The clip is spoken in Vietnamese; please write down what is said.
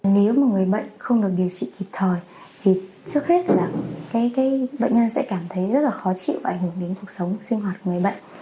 nếu mà người bệnh không được điều trị kịp thời thì trước hết là bệnh nhân sẽ cảm thấy rất là khó chịu và ảnh hưởng đến cuộc sống sinh hoạt của người bệnh